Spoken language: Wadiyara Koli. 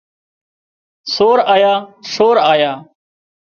سور آيا سور آيا